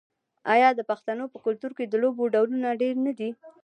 آیا د پښتنو په کلتور کې د لوبو ډولونه ډیر نه دي؟